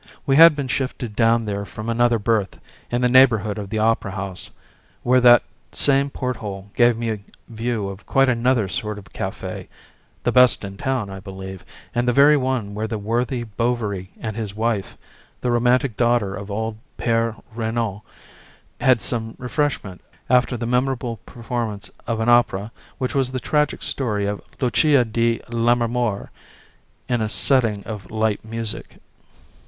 We had been shifted down there from another berth in the neighbourhood of the Opera House, where that same porthole gave me a view of quite another sort of cafe the best in the town, I believe, and the very one where the worthy Bovary and his wife, the romantic daughter of old Pere Renault, had some refreshment after the memorable performance of an opera which was the tragic story of Lucia di Lammermoor in a setting of light music.